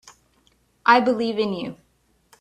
I believe in you.